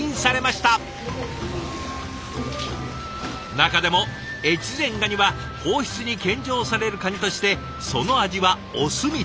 中でも越前ガニは皇室に献上されるカニとしてその味はお墨付き。